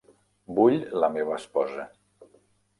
Vull la meva esposa.